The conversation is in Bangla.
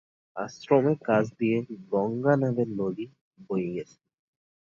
আশ্রমের কাছ দিয়ে 'গঙ্গা' নামের নদী বয়ে গেছে।